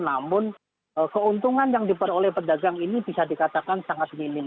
namun keuntungan yang diperoleh pedagang ini bisa dikatakan sangat minim